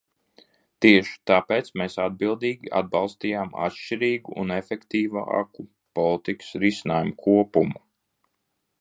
Tieši tāpēc mēs atbildīgi atbalstījām atšķirīgu un efektīvāku politikas risinājumu kopumu.